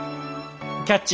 「キャッチ！